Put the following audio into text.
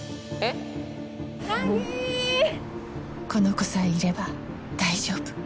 この子さえいれば大丈夫。